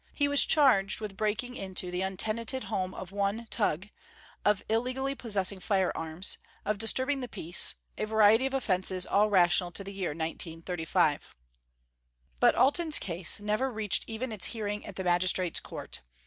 He was charged with breaking into the untenanted home of one Tugh; of illegally possessing firearms; of disturbing the peace a variety of offenses all rational to the year 1935. But Alten's case never reached even its hearing in the Magistrate's Court.